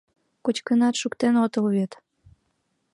Кочкынат шуктен отыл вет?